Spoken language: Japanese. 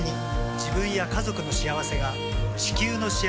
自分や家族の幸せが地球の幸せにつながっている。